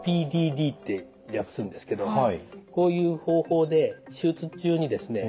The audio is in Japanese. ＰＤＤって略すんですけどこういう方法で手術中にですね